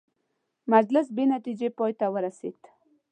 مجلس بې نتیجې پای ته ورسېد.